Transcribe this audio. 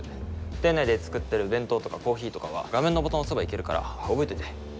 店内で作ってる弁当とかコーヒーとかは画面のボタンを押せばいけるから覚えといて。